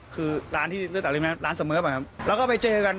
คือร้านที่เลือกแต่ละลายมั้ยร้านเสมอส์ไปครับ